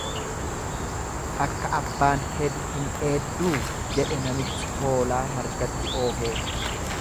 Akka abbaan hedu hin dheedduu jedhe namichi hoolaa margatti oofee.